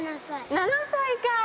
７歳か。